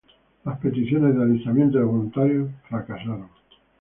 Las peticiones de alistamiento de voluntarios fracasaron.